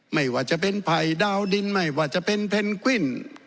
ไม่ว่าจะเป็นไผ่ดาวดินไม่ว่าจะเป็นเพนกวิน